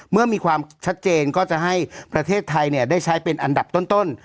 เมื่อมีความชัดเจนก็จะให้ประเทศไทยได้ใช้เป็นอันดับต้น